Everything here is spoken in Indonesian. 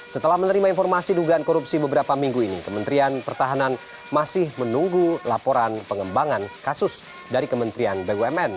setelah menerima informasi dugaan korupsi beberapa minggu ini kementerian pertahanan masih menunggu laporan pengembangan kasus dari kementerian bumn